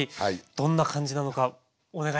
どんな感じなのかお願いします。